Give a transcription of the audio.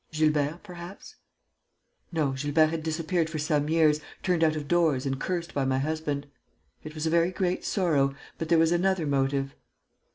"Gilbert, perhaps?" "No, Gilbert had disappeared for some years, turned out of doors and cursed by my husband. It was a very great sorrow, but there was another motive."